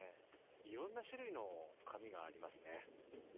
いろんな種類の紙がありますね。